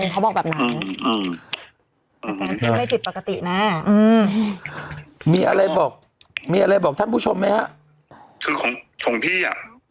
เขาบอกแบบนั้นมีอะไรบอกมีอะไรบอกท่านผู้ชมไหมฮะคือของของพี่อ่ะ